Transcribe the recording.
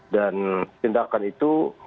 dan tindakan itu